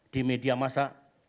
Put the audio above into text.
di media masa